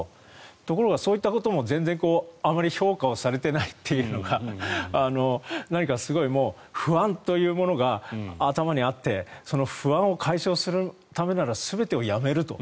ところが、そういったことも全然評価されていないというのが何か不安というものが頭にあってその不安を解消するためなら全てをやめると。